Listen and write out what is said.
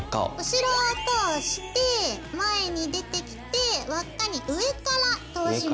後ろを通して前に出てきて輪っかに上から通します。